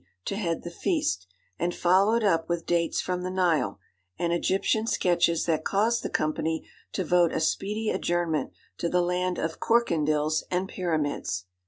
to head the feast, and follow it up with dates from the Nile, and Egyptian sketches that caused the company to vote a speedy adjournment to the land 'of corkendills' and pyramids.